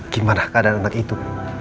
gimana keadaan anak itu